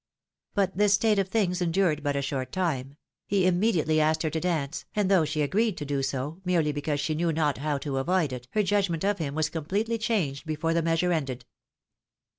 But this state of things endiixed but a short time ; he immediately asked her to dance, and though she agreed to do so, merely because she knew not how to avoid it, her judgment of him was completely changed before the measure ended.